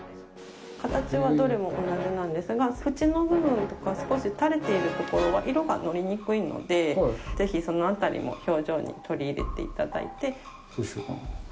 形はどれも同じなんですが、縁の部分とか、少し垂れているところは色がのりにくいので、ぜひ、その辺りも表情に取り入れていただいて。